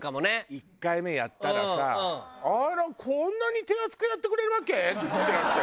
１回目やったらさ「あらこんなに手厚くやってくれるわけ？」ってなって。